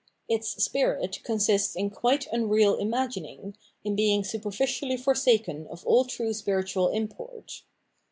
Its spirit consists in quite rmreal imagining, in being super ficiahty forsaken of all true spiritual import.